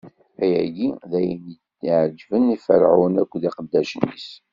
Ayagi d ayen i yeɛeǧben i Ferɛun akked iqeddacen-is.